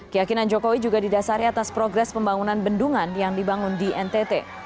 keyakinan jokowi juga didasari atas progres pembangunan bendungan yang dibangun di ntt